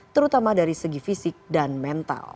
terutama dari segi fisik dan mental